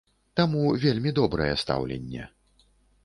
Таму вельмі добрае стаўленне.